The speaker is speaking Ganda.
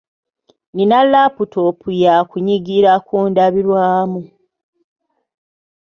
Nnina laputopu ya kunyigira ku ndabirwamu.